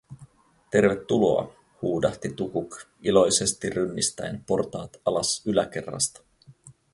"Tervetuloa!", huudahti Tukuk iloisesti rynnistäen portaat alas yläkerrasta.